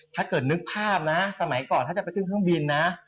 ถ้าเกิดนึกภาพน่ะสมัยก่อนถ้าจะไปครึ่งเพิ่งบินน่ะ